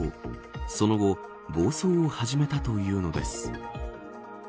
その後暴走を始めたというのです。